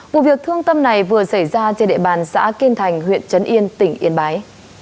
vụ việc thương tâm này vừa xảy ra trên địa bàn xã kiên thành huyện trấn yên tỉnh yên bái